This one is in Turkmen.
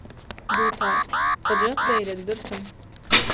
Dutar, gyjak beýlede dursun